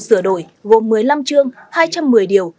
sửa đổi gồm một mươi năm chương hai trăm một mươi điều